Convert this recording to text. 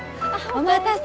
お待たせ。